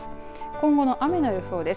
今後の雨の予想です。